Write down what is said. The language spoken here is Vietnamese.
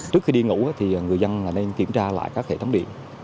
trước khi đi ngủ thì người dân nên kiểm tra lại các hệ thống điện